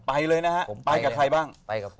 ไปเลยนะฮะผมไปกับใครบ้าง